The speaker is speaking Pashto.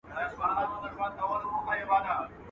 تر وېش ئې په چور خوشاله دئ.